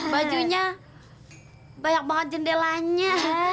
bajunya banyak banget jendelanya